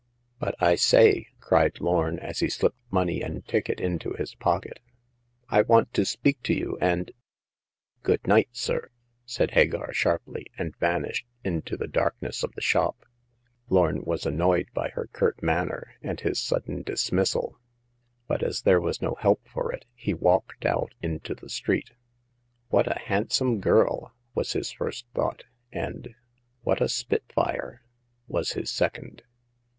" But I say," cried Lorn, as he slipped money and ticket into his pocket, *^ I want to speak to you, and "" Good night, sir," said Hagar, sharply, and van ished into the darkness of the shop. Lorn was annoyed by her curt manner and his sudden dismissal ; but as there was no help for it, he walked out into the street. " What a handsome girl !" was his first thought ; and " What a spitfire !" was his second.